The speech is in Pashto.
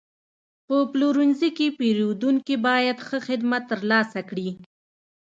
په پلورنځي کې پیرودونکي باید ښه خدمت ترلاسه کړي.